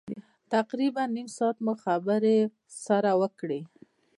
تقریبا نیم ساعت مو خبرې سره وکړې.